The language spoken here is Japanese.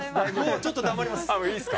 ちょっと黙ります。